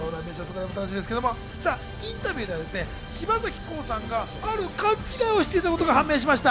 インタビューでは柴咲コウさんがある勘違いをしていたことが判明しました。